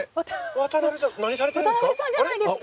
渡辺さん何されてるんですか？